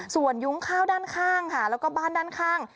ส่วนยุ้งข้าวด้านข้างค่ะแล้วก็บ้านด้านข้าง